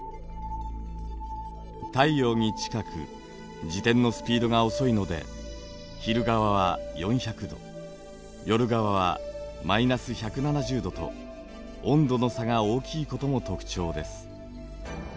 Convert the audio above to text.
太陽に近く自転のスピードが遅いので昼側は４００度夜側は−１７０度と温度の差が大きいことも特徴です。